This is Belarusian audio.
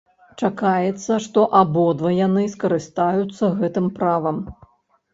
Чакаецца, што абодва яны скарыстаюцца гэтым правам.